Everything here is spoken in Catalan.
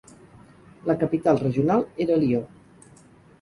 La capital regional era Lió.